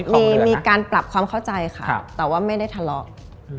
มีการปรับความเข้าใจค่ะแต่ว่าไม่ได้ทะเลาะ